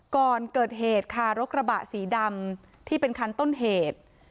ก่อนเกิดเหตุค่ะรถกระบะสีดำที่เป็นคันต้นเหตุ